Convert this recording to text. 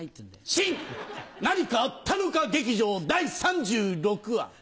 新何かあったのか劇場第３６話。